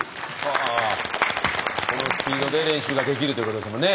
このスピードで練習ができるということですもんね